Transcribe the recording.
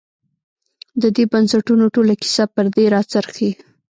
د دې بنسټونو ټوله کیسه پر دې راڅرخي.